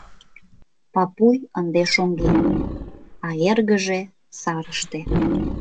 Папуй ынде шоҥгемын, а эргыже сарыште.